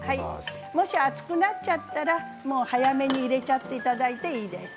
もし厚くなっちゃったらもう早めに入れちゃっていいです。